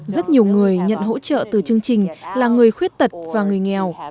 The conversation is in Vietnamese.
rất nhiều người nhận hỗ trợ từ chương trình là người khuyết tật và người nghèo